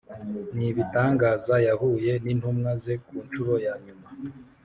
n ibitangaza Yahuye n intumwa ze ku ncuro ya nyuma